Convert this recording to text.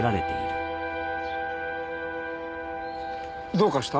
どうかした？